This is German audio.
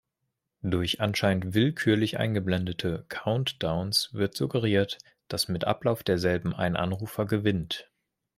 Durch anscheinend willkürlich eingeblendete „Countdowns“ wird suggeriert, dass mit Ablauf derselben ein Anrufer gewinnt.